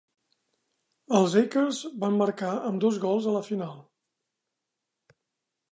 Els Akers van marcar ambdós gols a la final.